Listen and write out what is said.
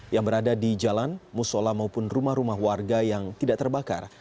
yang berada di jalan musola maupun rumah rumah warga yang tidak terbakar